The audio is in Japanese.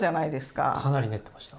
かなり練ってました。